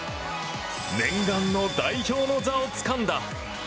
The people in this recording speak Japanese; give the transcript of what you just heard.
念願の代表の座をつかんだ。